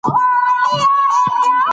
طبیعي بوټي هم مشوره غواړي.